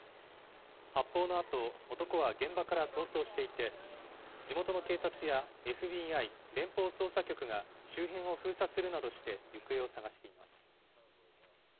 発砲のあと、男は現場から逃走していて、地元の警察やＦＢＩ・連邦捜査局が周辺を封鎖するなどして行方を捜しています。